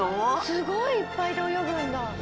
すごいいっぱいで泳ぐんだ。